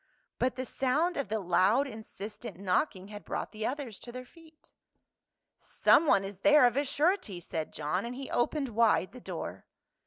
But the sound of the loud insistent knocking had brought the others to their feet. 260 PAUL. "Someone is there of a surety," said John, and he opened wide the door.